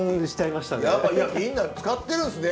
やっぱみんな使ってるんですね。